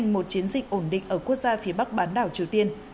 một chiến dịch ổn định ở quốc gia phía bắc bán đảo triều tiên